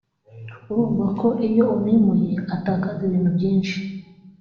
urumva ko iyo umwimuye atakaza ibintu byinshi